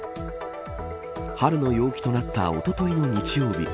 春の陽気となったおとといの日曜日。